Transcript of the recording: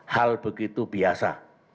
hal begitu biasa